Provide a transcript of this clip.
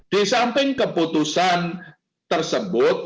di samping keputusan tersebut